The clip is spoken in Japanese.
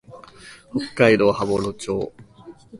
北海道羽幌町